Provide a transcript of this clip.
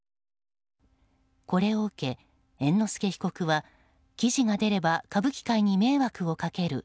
これを受け、猿之助被告は記事が出れば歌舞伎界に迷惑をかける。